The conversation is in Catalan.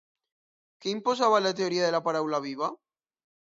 Què imposava la teoria de la paraula viva?